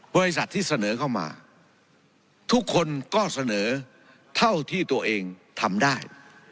บริษัทที่เสนอเข้ามาทุกคนก็เสนอเท่าที่ตัวเองทำได้